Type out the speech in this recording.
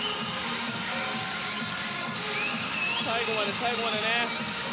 最後まで、最後までね。